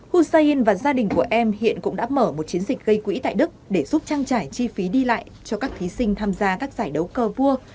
husain và gia đình của em hiện cũng đã mở một chiến dịch gây quỹ tại đức để giúp trang trải chi phí đi lại cho các thí sinh tham gia các giải đấu cờ vua